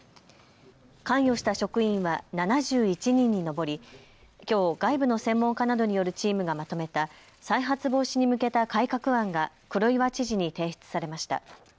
関与した職員は７１人に上りきょう外部の専門家などによるチームがまとめた再発防止に向けた改革案が黒岩知事に提出されました。